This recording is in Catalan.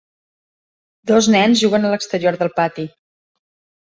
Dos nens juguen a l'exterior al pati.